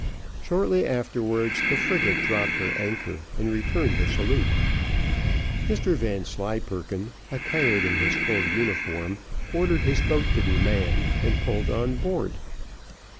Shortly afterwards the frigate dropped her anchor and returned the salute. Mr Vanslyperken, attired in his full uniform, ordered his boat to be manned and pulled on board.